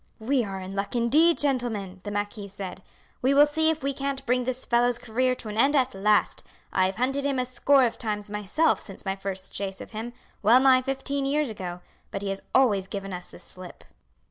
"We are in luck indeed, gentlemen," the marquis said. "We will see if we can't bring this fellow's career to an end at last. I have hunted him a score of times myself since my first chase of him, well nigh fifteen years ago, but he has always given us the slip."